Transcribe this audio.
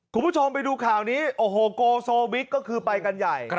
คุณผู้ชมไปดูข่าวนี้โอ้โหโกโซวิกก็คือไปกันใหญ่